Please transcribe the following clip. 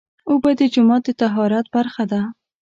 اوبه د جومات د طهارت برخه ده.